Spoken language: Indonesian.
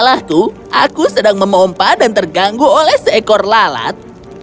tidak aku sedang memompah dan terganggu oleh seekor lalat